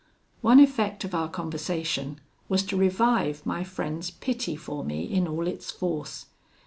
"One effect of our conversation was to revive my friend's pity for me in all its force.